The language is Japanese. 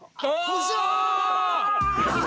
よっしゃー！